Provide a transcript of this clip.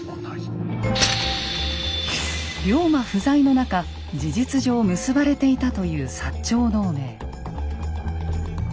龍馬不在の中事実上結ばれていたという長同盟。